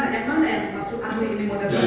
yang mana yang masuk ahli ini moda moda